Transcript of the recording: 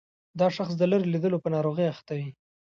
دا شخص د لیرې لیدلو په ناروغۍ اخته وي.